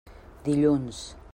Dilluns.